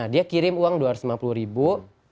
dia kirim uang dua ratus lima puluh ribu